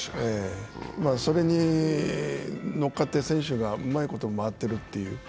それに乗っかって、選手がうまいこと回っているという。